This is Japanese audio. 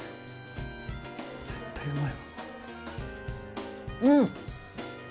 絶対うまい。